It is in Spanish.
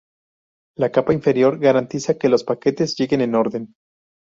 La capa inferior garantiza que los paquetes lleguen en orden.